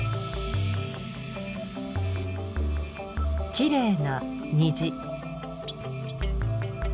きれいな虹。